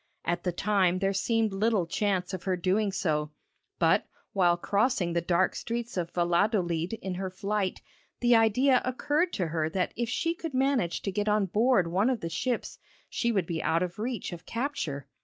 At the time there seemed little chance of her doing so, but while crossing the dark streets of Valladolid in her flight, the idea occurred to her that if she could manage to get on board one of the ships, she would be out of reach of capture.